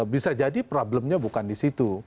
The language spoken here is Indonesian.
bisa jadi problemnya bukan di situ